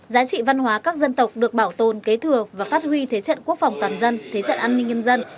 giá trị văn hóa các dân tộc được bảo tồn kế thừa và phát huy thế trận quốc phòng toàn dân thế trận an ninh nhân dân